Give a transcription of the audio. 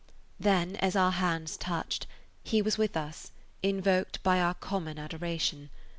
Then, as our hands touched, he was with us, invoked by our common adoration.